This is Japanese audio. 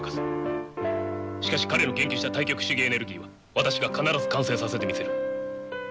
しかし彼の研究した対極主義エネルギーは私が必ず完成させてみせる。